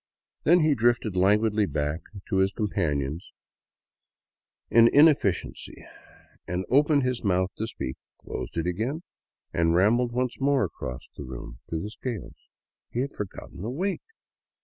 Then he drifted languidly back to his companions in in efficiency, opened his mouth to speak, closed It again, and rambled once more across the room to the scales. He had forgotten the weight!